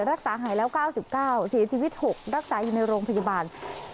รักษาหายแล้ว๙๙เสียชีวิต๖รักษาอยู่ในโรงพยาบาล